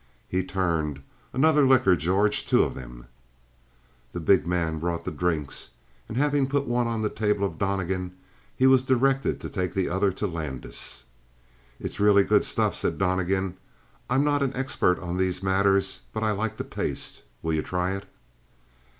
He turned: "Another liqueur, George. Two of them." The big man brought the drinks, and having put one on the table of Donnegan, he was directed to take the other to Landis. "It's really good stuff," said Donnegan. "I'm not an expert on these matters; but I like the taste. Will you try it?"